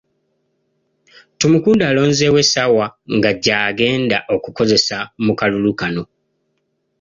Tumukunde alonzeewo essaawa nga gy'agenda okukozesa mu kalulu kano.